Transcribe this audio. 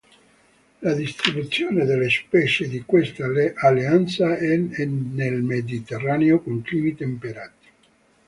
La distribuzione delle specie di questa alleanza è nel Mediterraneo con climi temperati.